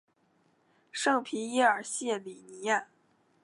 圣皮耶尔谢里尼亚。